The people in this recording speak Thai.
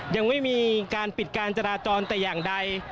ยังไม่มีการปิดการจราจรแต่อย่างใด